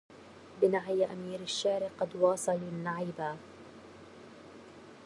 بنعي أمير الشعر قد واصلوا النعبا